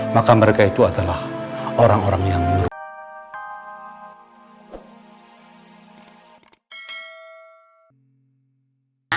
maka mereka itu adalah orang orang yang merubah